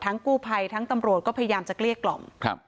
กู้ภัยทั้งตำรวจก็พยายามจะเกลี้ยกล่อม